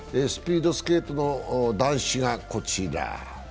スピードスケートの男子がこちら。